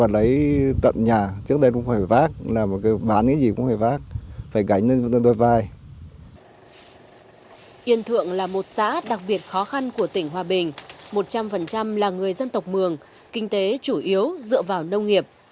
một trăm linh là người dân tộc mường kinh tế chủ yếu dựa vào nông nghiệp